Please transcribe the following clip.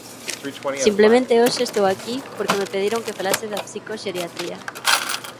Simplemente hoxe estou aquí porque me pediron que falase da psicoxeriatría.